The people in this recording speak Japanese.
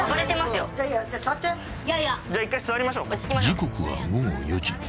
［時刻は午後４時］